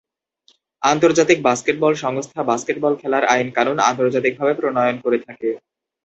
আন্তর্জাতিক বাস্কেটবল সংস্থা বাস্কেটবল খেলার আইন-কানুন আন্তর্জাতিকভাবে প্রণয়ন করে থাকে।